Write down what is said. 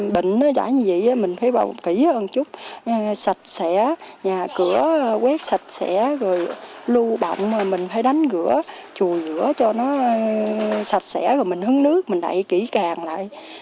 bệnh nó đã như vậy mình phải bảo kỹ hơn chút sạch sẽ nhà cửa quét sạch sẽ lưu bọng mình phải đánh gửa chùi rửa cho nó sạch sẽ mình hứng nước mình đậy kỹ càng lại